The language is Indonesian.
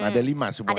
ada lima semuanya